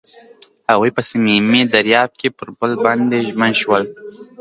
هغوی په صمیمي دریاب کې پر بل باندې ژمن شول.